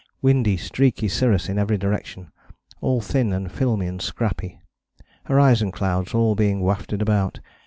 windy streaky cirrus in every direction, all thin and filmy and scrappy ... horizon clouds all being wafted about....